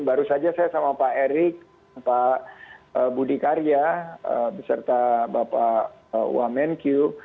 baru saja saya sama pak erick pak budi karya beserta bapak wah menkyu